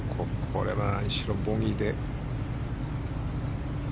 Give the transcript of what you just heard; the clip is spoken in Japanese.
これはボギーで。